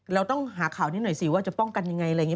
เราต้องหาข่าวนิดหน่อยสิว่าจะป้องกันยังไงอะไรอย่างนี้